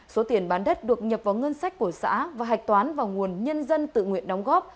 số tiền bán đất được nhập vào ngân sách của xã và hạch toán vào nguồn nhân dân tự nguyện đóng góp